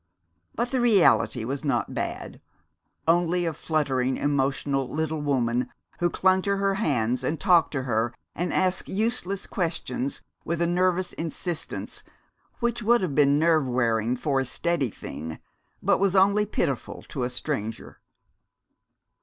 But the reality was not bad; only a fluttering, emotional little woman who clung to her hands and talked to her and asked useless questions with a nervous insistence which would have been nerve wearing for a steady thing, but was only pitiful to a stranger.